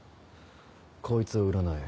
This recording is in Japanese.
こいつを占え。